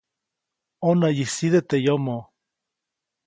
ʼÕnäyʼisite teʼ yomoʼ.